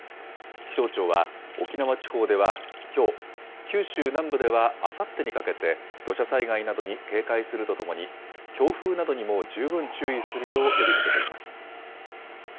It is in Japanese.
気象庁は、沖縄地方ではきょう、九州南部ではあさってにかけて土砂災害などに警戒するとともに、強風などにも十分注意するよう呼びかけています。